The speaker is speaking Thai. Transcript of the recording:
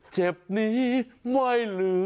เจ็บหนี้ไม่รู้